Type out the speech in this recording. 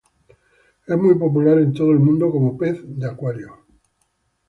Es muy popular en todo el mundo como pez de acuario.